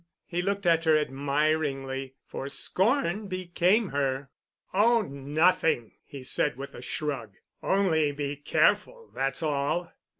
He looked at her admiringly, for scorn became her. "Oh, nothing," he said with a shrug. "Only be careful, that's all.